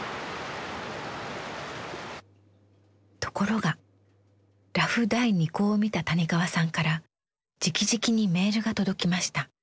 ところがラフ第２稿を見た谷川さんからじきじきにメールが届きました。